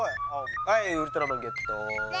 はいウルトラマンゲット！